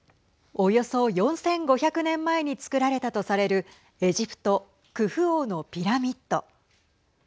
およそ４５００年前に造られたとされるエジプト、クフ王のピラミッド。